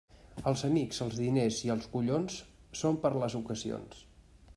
Els amics, els diners i els collons són per a les ocasions.